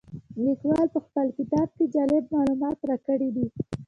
لیکوال په خپل کتاب کې جالب معلومات راکړي دي.